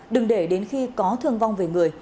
đừng để đến khi có thương vong về người